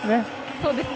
そうですね。